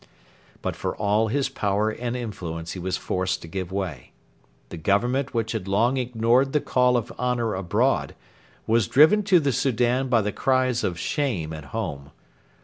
But for all his power and influence he was forced to give way. The Government which had long ignored the call of honour abroad, was driven to the Soudan by the cries of shame at home.